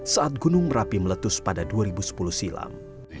saat gunung merapi meletus pada dua ribu sepuluh silam